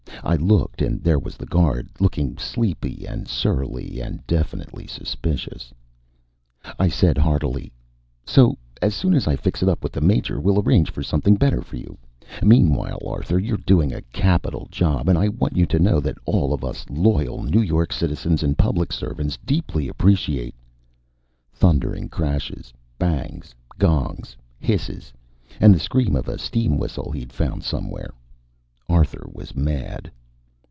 I looked, and there was the guard, looking sleepy and surly and definitely suspicious. I said heartily: "So as soon as I fix it up with the Major, we'll arrange for something better for you. Meanwhile, Arthur, you're doing a capital job and I want you to know that all of us loyal New York citizens and public servants deeply appreciate " Thundering crashes, bangs, gongs, hisses, and the scream of a steam whistle he'd found somewhere. Arthur was mad.